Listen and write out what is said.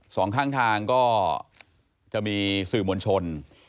สองข้างทางก็จะมีสื่อมวลชน